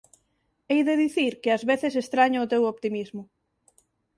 Hei de dicir que ás veces estraño o teu optimismo.